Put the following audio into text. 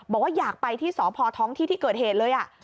บอกว่าอยากไปที่สพท้องที่ที่เกิดเหตุเลย